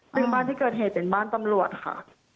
ซึ่งบ้านที่เกิดเหตุเป็นบ้านตำรวจค่ะ